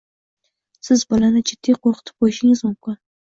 siz bolani jiddiy qo‘rqitib qo‘yishingiz mumkin.